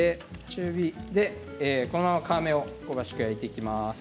中火で、この皮目を香ばしく焼いていきます。